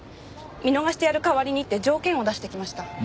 見逃してやる代わりにって条件を出してきました。